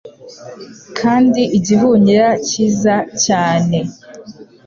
Kandi igihunyira cyiza cyane;